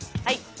はい。